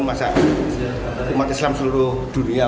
masa umat islam seluruh dunia